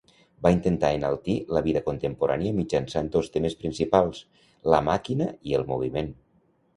Va intentar enaltir la vida contemporània mitjançant dos temes principals: la màquina i el moviment.